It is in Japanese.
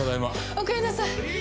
おかえりなさい。